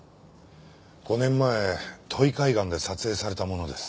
５年前土肥海岸で撮影されたものです。